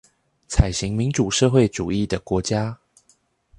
採行民主社會主義的國家